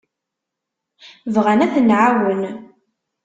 Bɣan ad ten-nɛawen.